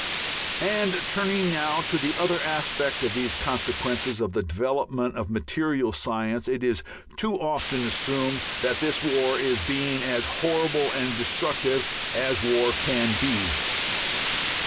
And turning now to the other aspect of these consequences of the development of material science, it is too often assumed that this war is being as horrible and destructive as war can be.